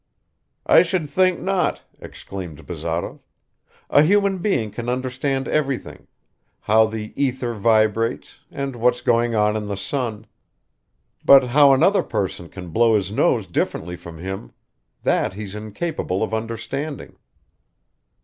"I should think not!" exclaimed Bazarov. "A human being can understand everything how the ether vibrates, and what's going on in the sun; but how another person can blow his nose differently from him, that he's incapable of understanding."